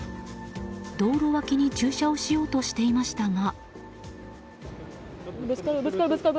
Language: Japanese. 道路脇に駐車をしようとしていましたが。